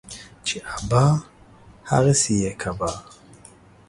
چي ابا ، هغه سي يې کبا.